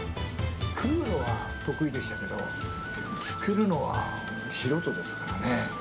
食うのは得意でしたけど、作るのは素人ですからね。